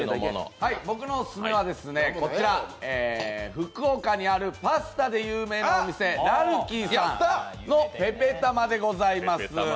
僕のオススメはこちら、福岡にあるパスタで有名なお店らるきいさんのぺぺたまでございます。